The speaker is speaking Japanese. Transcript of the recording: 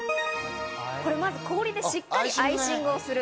まず氷でしっかりアイシングをする。